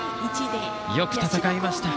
よく戦いました。